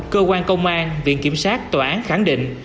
cơ quan công an viện kiểm sát tòa án khẳng định